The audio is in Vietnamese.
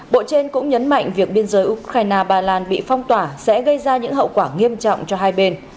bộ trên cũng nhấn mạnh việc biên giới ukraine ba lan bị phong tỏa sẽ gây ra những hậu quả nghiêm trọng cho hai bên